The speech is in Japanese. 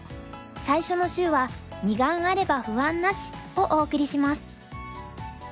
最初の週は「二眼あれば不安なし！」をお送りします。